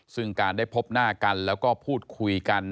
ซึ่งการได้พบหน้ากันแล้วก็พูดคุยกัน